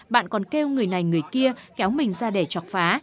bạn còn kêu người này người kia kéo mình ra để chọc phá